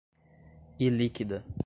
ilíquida